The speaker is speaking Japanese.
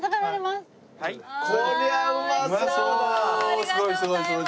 ありがとうございます。